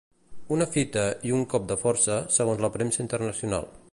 Una "fita" i un "cop de força" segons la premsa internacional.